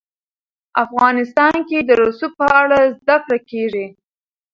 افغانستان کې د رسوب په اړه زده کړه کېږي.